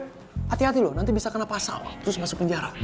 hati hati loh nanti bisa kena pasal terus masuk penjara